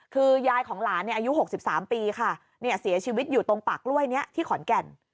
คือยายของหลานอายุ๖๓ปีค่ะเสียชีวิตอยู่ตรงปากกล้วยนี้ที่ขอนแก่น